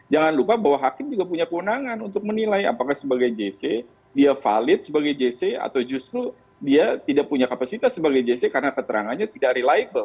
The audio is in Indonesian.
jangan lupa bahwa hakim juga punya kewenangan untuk menilai apakah sebagai jc dia valid sebagai jc atau justru dia tidak punya kapasitas sebagai jc karena keterangannya tidak reliable